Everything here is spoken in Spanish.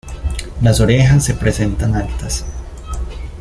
Las orejas se presentan altas.